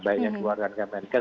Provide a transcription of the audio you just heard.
baik yang dikeluarkan kmnk